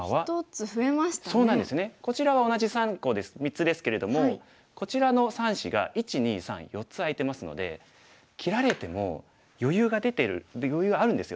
３つですけれどもこちらの３子が１２３４つ空いてますので切られても余裕が出てる余裕があるんですよね。